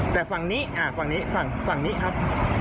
แต่ฝั่งนี่ฝั่งนี้ครับ